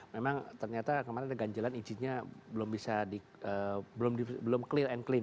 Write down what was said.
memang ternyata kemarin ada ganjalan izinnya belum bisa belum clear and clean